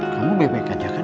kamu bebek aja kan